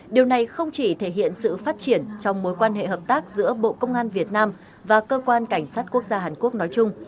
điều này không chỉ thể hiện sự phát triển trong mối quan hệ hợp tác giữa bộ công an việt nam và cơ quan cảnh sát quốc gia hàn quốc nói chung